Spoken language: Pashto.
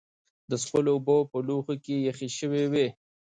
د څښلو اوبه په لوښي کې یخې شوې وې.